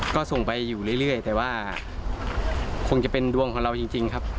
ก็ส่งไปอยู่เรื่อยแต่ว่าคงจะเป็นดวงของเราจริงครับ